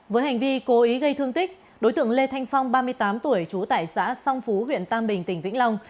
với hành vi cố ý gây thương tích đối tượng lê thanh phong ba mươi tám tuổi trú tại xã song phú huyện tam bình tỉnh vĩnh long